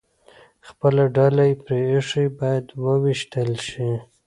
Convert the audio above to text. خپله ډله یې پرې ایښې، باید ووېشتل شي.